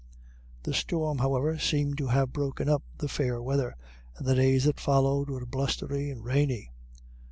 The storm, however, seemed to have broken up the fair weather, and the days that followed it were blustery and rainy.